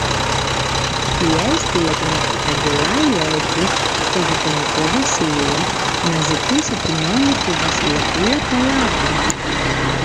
Κι έστειλε τον αρχικαγκελάριό του στο γειτονικό βασίλειο, να ζητήσει την όμορφη Βασιλοπούλα Παλάβω